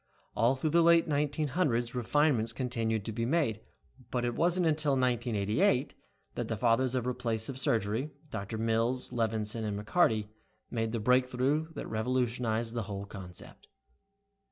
All through the late 1900s refinements continued to be made, but it wasn't until 1988 that the fathers of replacive surgery, Doctors Mills, Levinson and McCarty made the breakthrough that revolutionized the whole concept.